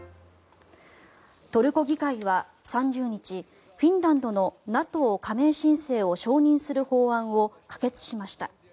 トルコ議会は３０日フィンランドのＮＡＴＯ加盟申請を承認する法案を可決しました。